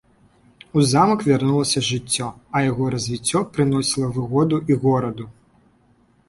У замак вярнулася жыццё, а яго развіццё прыносіла выгоду і гораду.